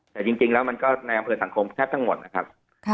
แต่จริงแล้วมันก็ในอำเภอสังคมแทบทั้งหมดนะครับ